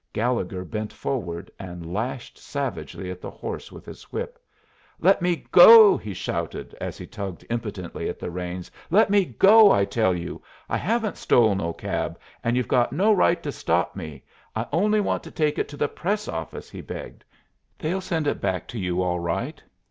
Gallegher bent forward, and lashed savagely at the horse with his whip. "Let me go," he shouted, as he tugged impotently at the reins. "Let me go, I tell you. I haven't stole no cab, and you've got no right to stop me. I only want to take it to the Press office," he begged. "They'll send it back to you all right.